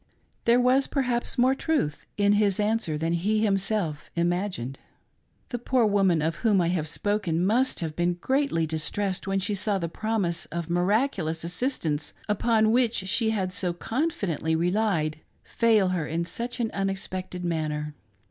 There was, perhaps, more truth in his answer than he himself imagined. The poor woman of whom I have spoken must have been greatly distressed when she saw the promise of miraculous assistance upon which she had so confidently relied fail her in such an unexpected manner.